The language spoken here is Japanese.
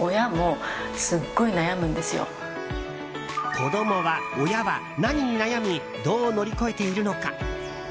子供は、親は、何に悩みどう乗り越えているのか？